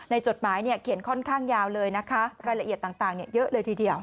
จดหมายเขียนค่อนข้างยาวเลยนะคะรายละเอียดต่างเยอะเลยทีเดียว